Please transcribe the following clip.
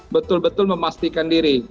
betul betul memastikan diri